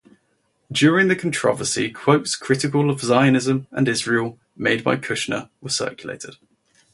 During the controversy, quotes critical of Zionism and Israel made by Kushner were circulated.